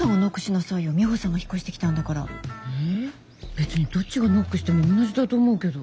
別にどっちがノックしても同じだと思うけど。